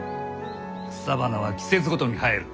草花は季節ごとに生える。